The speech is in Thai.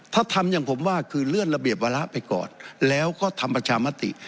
ถ้าทำอย่างผมว่าคือเลื่อนระเบียบวาระไปก่อนแล้วก็ทำประชามติ